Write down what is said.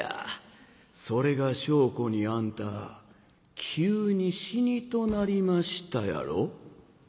それが証拠にあんた急に死にとなりましたやろ」。